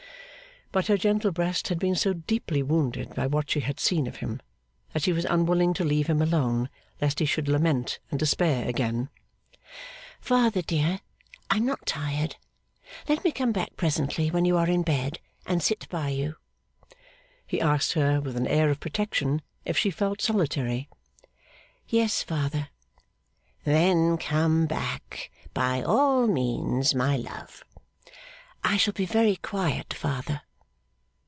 But her gentle breast had been so deeply wounded by what she had seen of him that she was unwilling to leave him alone, lest he should lament and despair again. 'Father, dear, I am not tired; let me come back presently, when you are in bed, and sit by you.' He asked her, with an air of protection, if she felt solitary? 'Yes, father.' 'Then come back by all means, my love.' 'I shall be very quiet, father.